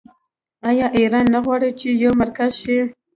آیا ایران نه غواړي چې یو مرکز شي؟